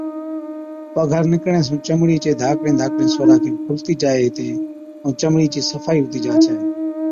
پگھر نِڪرڻي سُون چمڙِي چي ڌاڪڙين ڌاڪڙين سوراخين کُلتِي جائي هِتين ائُون چمڙِي چِي صفائِي هُتِي جا ڇَي۔